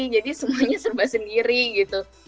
jadi semuanya serba sendiri gitu